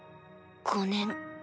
５年。